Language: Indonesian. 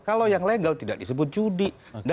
kalau yang legal tidak disebut judi